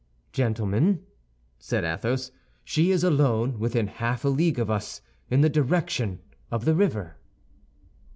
"Gentlemen," said Athos, "she is alone within half a league of us, in the direction of the river."